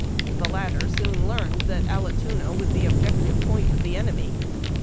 The latter soon learned that Allatoona was the objective point of the enemy.